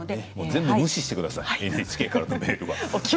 全部無視してください。